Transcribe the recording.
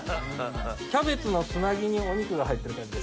キャベツのつなぎにお肉が入ってる感じです。